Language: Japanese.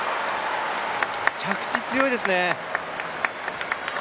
着地強いですね。